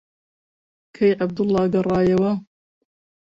کەی عەبدوڵڵا گەڕایەوە؟